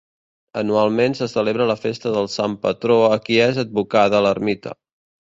Anualment se celebra la festa del Sant patró a qui és advocada l'ermita.